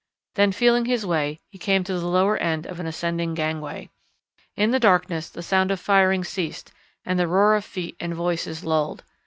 Then feeling his way he came to the lower end of an ascending gangway. In the darkness the sound of firing ceased and the roar of feet and voices lulled.